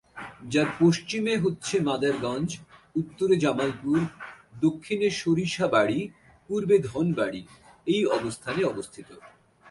যার পশ্চিমে হচ্ছে মাদারগঞ্জ, উত্তরে জামালপুর, দক্ষিণে সরিষাবাড়ী, পূর্বে ধনবাড়ী এই অবস্থানে অবস্থিত।